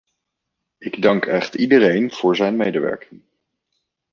Ik dank echt iedereen voor zijn medewerking.